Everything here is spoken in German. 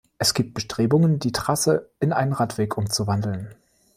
Es gibt Bestrebungen die Trasse in einen Radweg umzuwandeln.